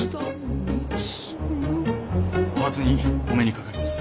お初にお目にかかります。